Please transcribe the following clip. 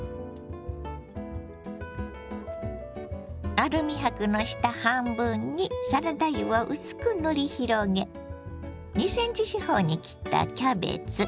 アルミ箔の下半分にサラダ油を薄く塗り広げ２ｃｍ四方に切ったキャベツ